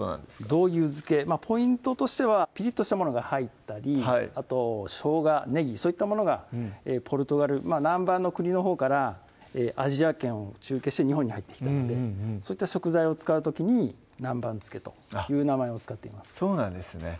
どういう漬けポイントとしてはピリッとしたものが入ったりあとしょうが・ねぎそういったものがポルトガル南蛮の国のほうからアジア圏を中継して日本に入ってきたのでそういった食材を使う時に南蛮漬けという名前を使っていますそうなんですね